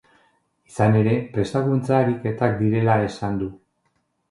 Izan ere, prestakuntza ariketak direla esan du.